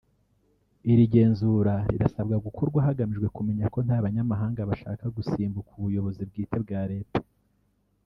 Iri genzura rirasabwa gukorwa hagamijwe kumenya ko nta banyamahanga bashaka gusimbuka ubuyobozi bwite bwa leta